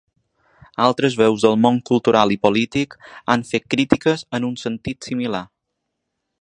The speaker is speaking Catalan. Altres veus del món cultural i polític han fet crítiques en un sentit similar.